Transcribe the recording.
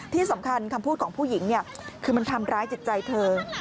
ที่สำคัญคำพูดของผู้หญิงเนี่ยคือมันทำร้ายจิตใจเธอ